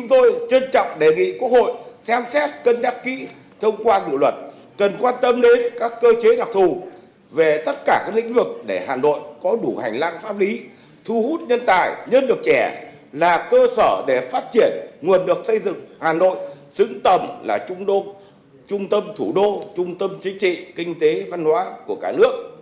nguyên trọng đề nghị quốc hội xem xét cân nhắc kỹ thông qua dự luật cần quan tâm đến các cơ chế đặc thù về tất cả các lĩnh vực để hà nội có đủ hành lang pháp lý thu hút nhân tài nhân lực trẻ là cơ sở để phát triển nguồn được xây dựng hà nội xứng tầm là trung tâm thủ đô trung tâm chính trị kinh tế văn hóa của cả nước